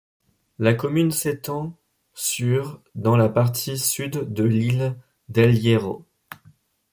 La commune s'étend sur dans la partie sud de l'île d'El Hierro.